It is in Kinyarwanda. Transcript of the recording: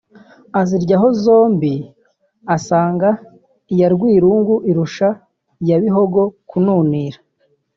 Aziryaho zombi asanga iya Rwirungu irusha iya Bihogo kunurira